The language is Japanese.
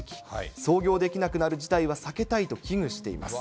操業できなくなる事態は避けたいと危惧しています。